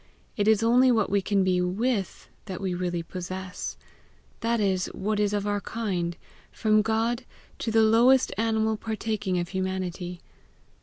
It is only what we can be WITH that we can really possess that is, what is of our kind, from God to the lowest animal partaking of humanity.